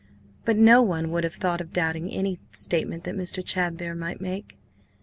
But no one would have thought of doubting any statement that Mr. Chadber might make.